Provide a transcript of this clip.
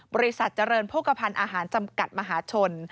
บริษัทเจริญโภคภัณฑ์อาหารจำกัดมหาชน